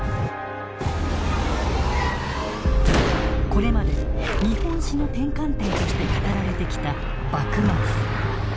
これまで日本史の転換点として語られてきた幕末。